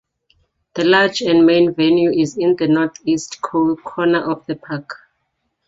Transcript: The large and main venue is in the northeast corner of the park.